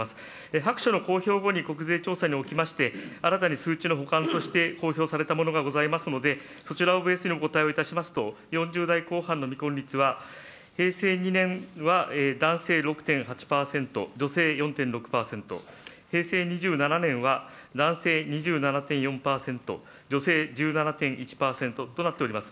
白書の公表後に国税調査におきまして、新たに数値の補完として公表されたものがございますので、そちらをベースにお答えをいたしますと、４０代後半の未婚率は、平成２年は男性６．８％、女性４．６％、平成２７年は男性２７．４％、女性１７．１％となっております。